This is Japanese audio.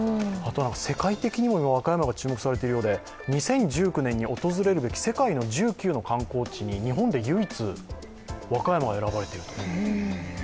世界的にも和歌山が注目されているそうで、２０１９年に訪れるべき世界の１９の観光地に日本で唯一、和歌山が選ばれていると。